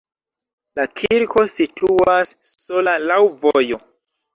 La kirko situas sola laŭ vojo.